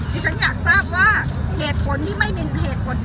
ที่ฉันอยากทราบว่าเหตุผลที่ไม่มีเหตุผล